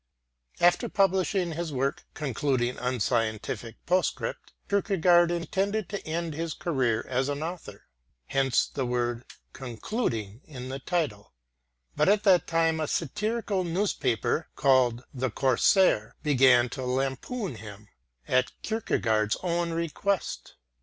After publishing his work Concluding Unscientific Postscript, Kierkegaard intended to end his career as an author. But at that time a satirical newspaper called The Corsair began to lampoon him, at Kierkegaard's own request.